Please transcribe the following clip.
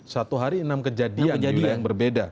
satu hari enam kejadian di wilayah yang berbeda